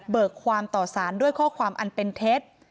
ความต่อสารด้วยข้อความอันเป็นเท็จ